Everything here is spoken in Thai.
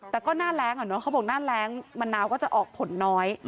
แต่ก็หน้าแรงอ่ะเนอะเขาบอกหน้าแรงมะนาวก็จะออกผลน้อย